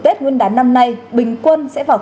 tết nguyên đán năm nay bình quân sẽ vào